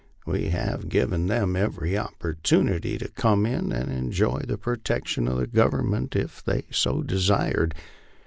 We have given them every opportunity to come in and enjoy the protection of the Government, if they so desired.